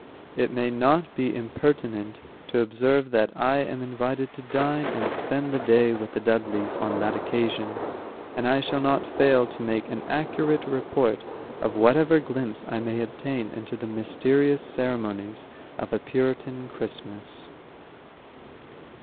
It may not be impertinent to observe, that I am invited to dine and spend the day with the Dudleys on that occasion, and I shall not fail to make an accurate report of whatever glimpse I may obtain into the mysterious ceremonies of a Puritan Christmas.